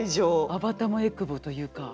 あばたもえくぼというか。